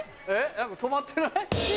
何か止まってない？